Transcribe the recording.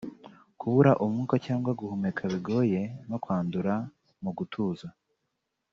kubura umwuka cyangwa guhumeka bigoye no kwandura mu gatuza